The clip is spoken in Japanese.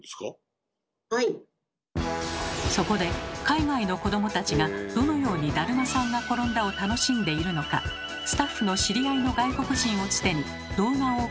そこで海外の子どもたちがどのように「だるまさんがころんだ」を楽しんでいるのかスタッフの知り合いの外国人をつてに動画を送ってもらいました。